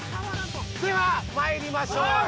ではまいりましょううわ